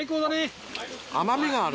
甘みがある。